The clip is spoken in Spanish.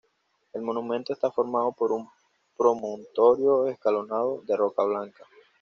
El monumento está formado por un promontorio escalonado, de roca blanca.